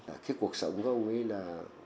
cái cuộc sống của ông ấy là